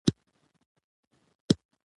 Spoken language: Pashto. مور د کورنۍ د روغتیايي بیمې په اړه فکر کوي.